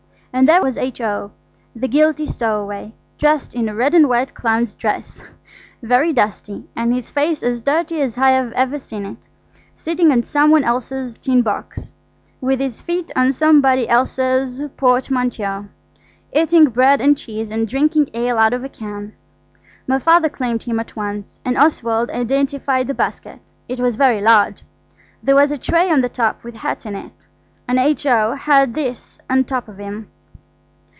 And there was H.O., the guilty stowaway, dressed in a red and white clown's dress, very dusty, and his face as dirty as I have ever seen it, sitting on some one else's tin box, with his feet on some body's else's portmanteau, eating bread and cheese, and drinking ale out of a can. My Father claimed him at once, and Oswald identified the basket. It was very large. There was a tray on the top with hats in it, and H.O. had this on top of him.